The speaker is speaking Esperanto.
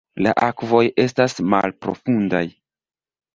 La akvoj estas malprofundaj.